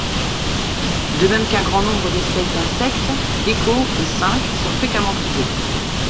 De même qu'un grand nombre d'espèces d'insectes, gecko et scinques sont fréquemment trouvés.